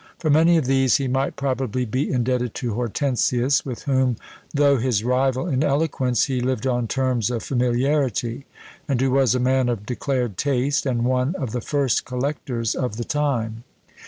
For many of these he might probably be indebted to Hortensius, with whom, though his rival in eloquence, he lived on terms of familiarity, and who was a man of declared taste, and one of the first collectors of the time."